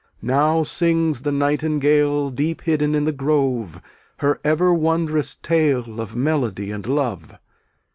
Now sings the nightingale, Deep hidden in the grove, Her ever wondrous tale Of melody and love.